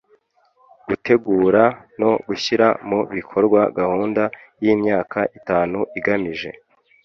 gutegura no gushyira mu bikorwa gahunda y’ imyaka itanu igamije